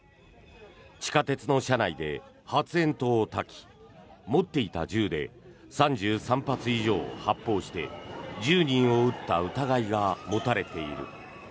地下鉄の車内で発煙筒をたき持っていた銃で３３発以上発砲して１０人を撃った疑いが持たれている。